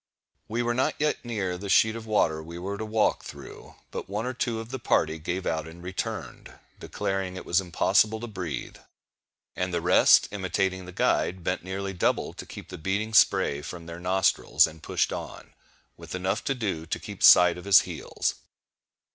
We were not yet near the sheet of water we were to walk through; but one or two of the party gave out and returned, declaring it was impossible to breathe; and the rest, imitating the guide, bent nearly double to keep the beating spray from their nostrils, and pushed on, with enough to do to keep sight of his heels.